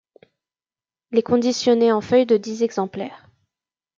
Il est conditionné en feuille de dix exemplaires.